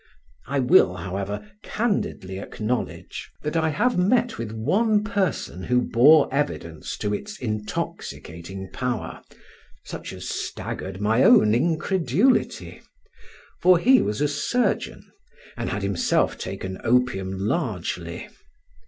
I will, however, candidly acknowledge that I have met with one person who bore evidence to its intoxicating power, such as staggered my own incredulity; for he was a surgeon, and had himself taken opium largely.